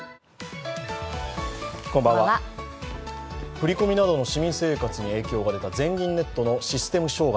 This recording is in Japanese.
振り込みなどの市民生活に影響が出た全銀ネットのシステム障害